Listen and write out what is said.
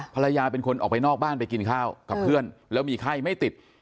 ภรรยาเป็นคนออกไปนอกบ้านไปกินข้าวกับเพื่อนแล้วมีไข้ไม่ติด